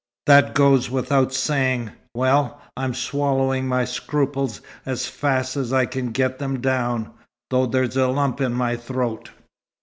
"That goes without saying. Well, I'm swallowing my scruples as fast as I can get them down, though they're a lump in my throat.